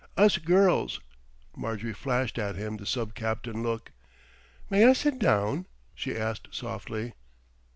"Us girls." Marjorie flashed at him the sub captain look. "May I sit down?" she asked softly.